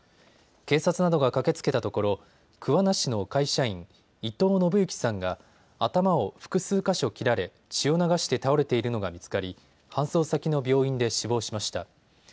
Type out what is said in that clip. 警察などが駆けつけたところ、桑名市の会社員、伊藤信幸さんが頭を複数か所切られ血を流して倒れているのが見つかり搬送先の病院で死亡しました。